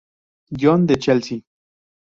John de Chelsea.